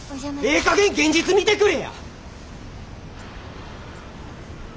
ええかげん現実見てくれや！